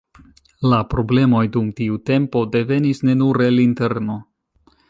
La problemoj dum tiu tempo devenis ne nur el interno.